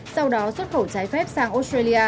sau đó xuất khẩu trái phép sang australia